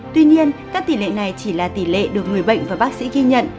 tuy nhiên các tỷ lệ này chỉ là tỷ lệ được người bệnh và bác sĩ ghi nhận